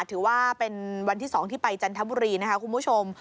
ถือว่าเป็นวันที่๒ที่ไปจันทบุรีนะคะคุณผู้ชม